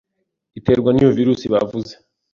iterwa n'iyo virusi bavuze